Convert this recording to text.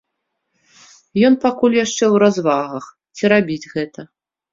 Ён пакуль яшчэ ў развагах, ці рабіць гэта.